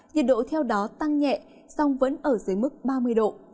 nhiệt độ theo đó tăng nhẹ song vẫn ở dưới mức ba mươi độ